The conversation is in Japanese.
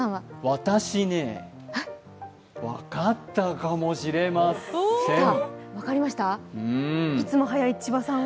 私ね、分かったかもしれません。